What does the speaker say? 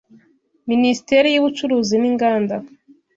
Minisiteri y’Ubucuruzi n’Inganda